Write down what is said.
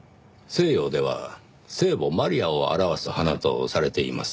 西洋では聖母マリアを表す花とされています。